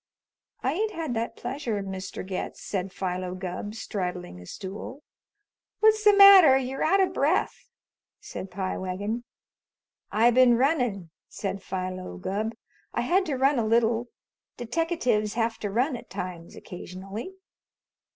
"I ain't had that pleasure, Mr. Getz," said Philo Gubb, straddling a stool. "What's the matter? You're out of breath," said Pie Wagon. "I been runnin'," said Philo Gubb. "I had to run a little. Deteckatives have to run at times occasionally."